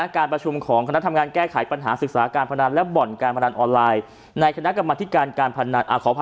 การประชุมของคณะทำงานแก้ไขปัญหาศึกษาการพนันและบ่อนการพนันออนไลน์